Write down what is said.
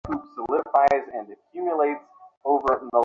কাম on বলো।